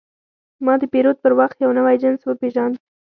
ما د پیرود پر وخت یو نوی جنس وپېژاند.